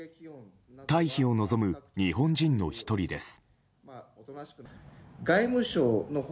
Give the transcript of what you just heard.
退避を望む日本人の１人です。